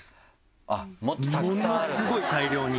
ものスゴい大量に。